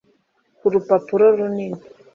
urupapuro runini